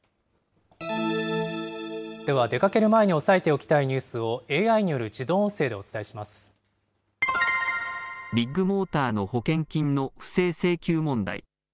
では、出かける前に押さえておきたいニュースをＡＩによる自ビッグモーターの保険金の不正請求問題。